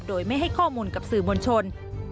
โดยไม่ให้ข้อมูลกับสื่อมวลชน